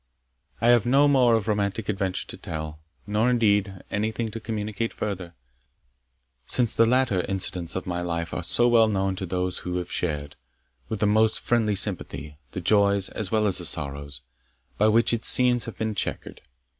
I have no more of romantic adventure to tell, nor, indeed, anything to communicate farther, since the latter incidents of my life are so well known to one who has shared, with the most friendly sympathy, the joys, as well as the sorrows, by which its scenes have been chequered.